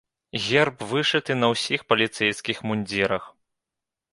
Герб вышыты на ўсіх паліцэйскіх мундзірах.